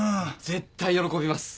絶対喜びます。